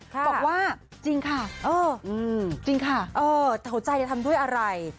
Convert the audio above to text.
บอกว่าจริงค่ะแต่หัวใจจะทำด้วยอะไร